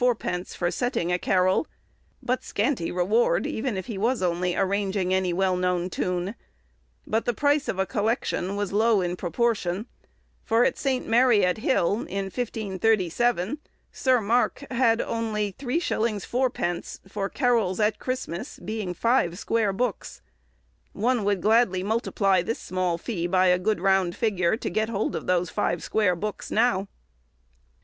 _ for setting a carol; but scanty reward, even if he was only arranging any well known tune; but the price of a collection was low in proportion, for at St. Mary at Hill, in 1537, Sir Mark had only 3_s._ 4_d._ for 'Carolls for Christmas,' being five square books. One would gladly multiply this small fee by a good round figure, to get hold of these five square books now.